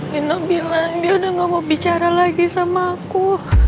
nino bilang dia udah gak mau bicara lagi sama aku